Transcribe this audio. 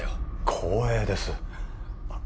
光栄ですあっ